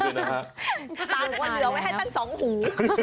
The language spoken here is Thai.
ตาหลวงว่าเหลือไว้ให้ตั้งสองหู